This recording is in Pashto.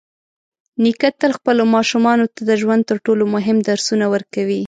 نیکه تل خپلو ماشومانو ته د ژوند تر ټولو مهم درسونه ورکوي.